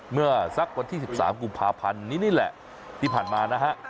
เมื่อสักวันที่๑๓กุมภาพันธ์นี้นี่แหละที่ผ่านมานะฮะ